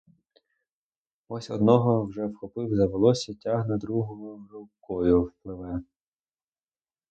Ось одного вже вхопив за волосся, тягне, другою рукою пливе.